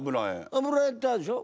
油絵ってあるでしょ。